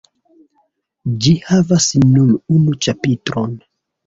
Ĝi havas nur unu ĉapitron.